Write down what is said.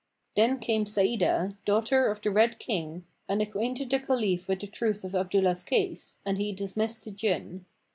Then came Sa'idah, daughter of the Red King, and acquainted the Caliph with the truth of Abdullah's case, and he dismissed the Jinn.